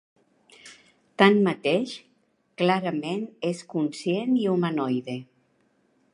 Tanmateix, clarament és conscient i humanoide.